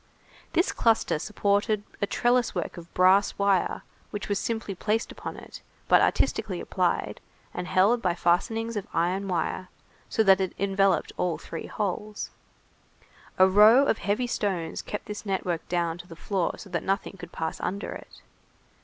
This cluster supported a trellis work of brass wire which was simply placed upon it, but artistically applied, and held by fastenings of iron wire, so that it enveloped all three holes. A row of very heavy stones kept this network down to the floor so that nothing could pass under it.